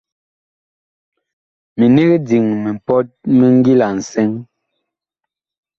Minig diŋ mipɔt mi ngila nsɛŋ.